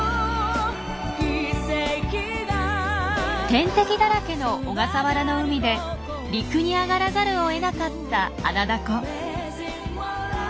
天敵だらけの小笠原の海で陸に上がらざるを得なかったアナダコ。